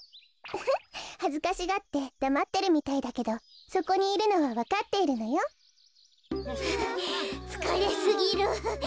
ウフッはずかしがってだまってるみたいだけどそこにいるのはわかっているのよ。はあつかれすぎる。